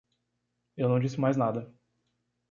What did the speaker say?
Eu não disse mais nada.